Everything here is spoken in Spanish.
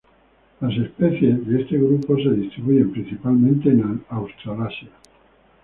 Las especies de este grupo se distribuyen principalmente en Australasia.